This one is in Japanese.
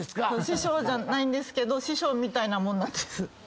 師匠じゃないんですけど師匠みたいなもんなんです。